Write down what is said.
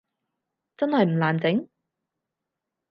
真係唔難整？